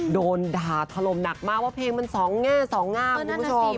โดนด่าถล่มหนักมากว่าเพลงมันสองแง่สองงามคุณผู้ชม